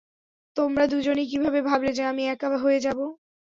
তোমরা দুজনেই কীভাবে ভাবলে যে, আমি একা হয়ে যাবো?